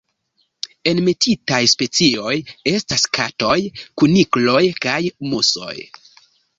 Enmetitaj specioj estas katoj, kunikloj kaj musoj.